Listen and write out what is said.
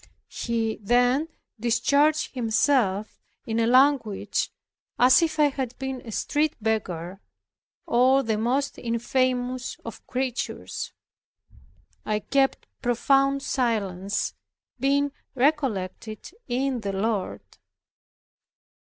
He then discharged himself in language as if I had been a street beggar, or the most infamous of creatures. I kept profound silence, being recollected in the Lord.